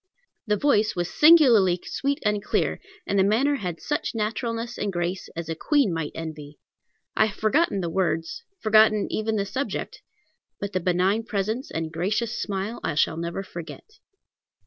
The voice was singularly sweet and clear, and the manner had such naturalness and grace as a queen might envy. I have forgotten the words, forgotten even the subject, but the benign presence and gracious smile I shall never forget.